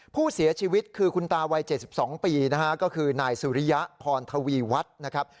ผู้เสียชีวิตคือคุณตาวัย๗๒ปีนะฮะก็คือนายสุริยะพรทวีวัฒน์นะครับ